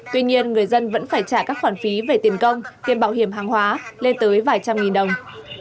tuy nhiên người dân vẫn phải trả các khoản phí về tiền công tiền bảo hiểm hàng hóa lên tới vài trăm nghìn đồng